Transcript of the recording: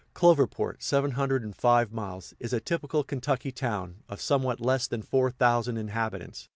Cloverport (705 miles) is a typical Kentucky town, of somewhat less than four thousand inhabitants.